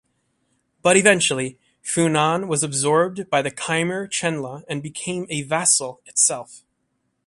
But eventually Funan was absorbed by the Khmer Chenla and became a vassal itself.